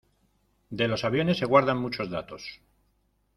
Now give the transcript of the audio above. de los aviones se guardan muchos datos.